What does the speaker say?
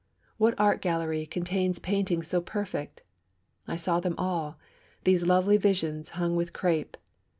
What art gallery contains paintings so perfect? I saw them all these lovely visions hung with crape!